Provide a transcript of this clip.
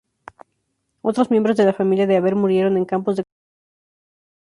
Otros miembros de la familia de Haber murieron en campos de concentración.